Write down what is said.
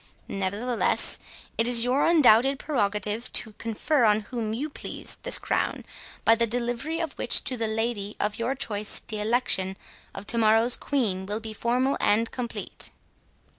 Nevertheless, it is your undoubted prerogative to confer on whom you please this crown, by the delivery of which to the lady of your choice, the election of to morrow's Queen will be formal and complete.